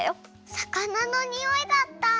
さかなのにおいだったんだ。